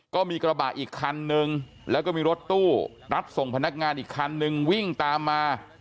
ก็มีกระบะอีกคันนึงแล้วก็มีรถตู้รับส่งพนักงานอีกคันนึงวิ่งตามมา